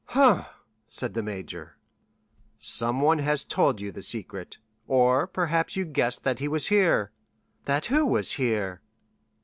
"Hum!" said the major. "Someone has told you the secret; or, perhaps, you guessed that he was here." "That who was here?"